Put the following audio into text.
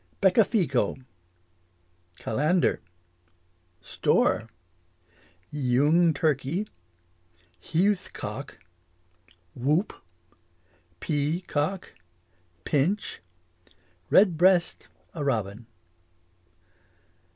Becafico Calander Stor Yeung turkey Heuth cock Whoop Pea cock Pinch Red breast, a robin.